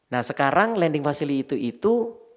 nah sekarang landing facility itu